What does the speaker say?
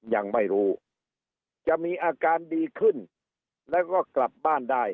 ยังไม่รู้จะมีอาการดีขึ้นแล้วก็กลับบ้านได้